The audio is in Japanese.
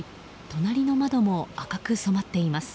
隣の窓も赤く染まっています。